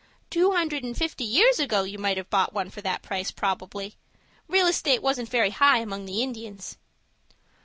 "Two hundred and fifty years ago you might have bought one for that price, probably. Real estate wasn't very high among the Indians."